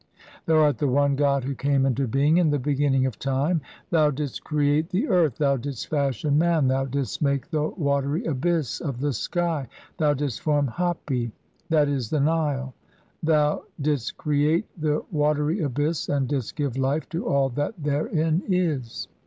Thou art the One god who came "into being in the beginning of time. Thou didst create "the earth, thou didst fashion man, thou didst make "the watery abyss of the sky, thou didst form Hapi "(7. e., the Nile), thou didst create the watery abyss and "didst give life to all that therein is.